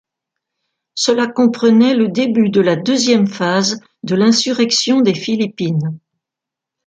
Cela comprenait le début de la deuxième phase de l'insurrection des philippines.